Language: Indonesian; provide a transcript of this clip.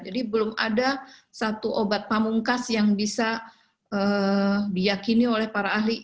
jadi belum ada satu obat pamungkas yang bisa diakini oleh para ahli